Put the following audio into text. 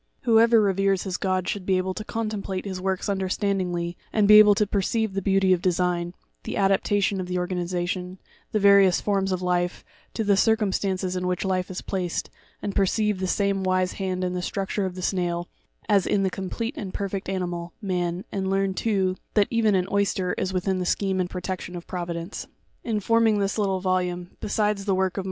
Whoever reveres his God, should be able to contemplate his works understandingly, and be able to perceive the beauty of design, the adaptation of the organization, the various forms of life, to the circumstances in which life is placed, and perceive the same wise hand in the structure of the snail, as in the complete and perfect animal, man; and learn too, that even an oyster is within the scheme and protection of Providence. In forming this little volume, besides the works of MM.